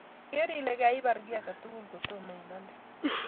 Ker ile kaibar kiy tukul kotomo imande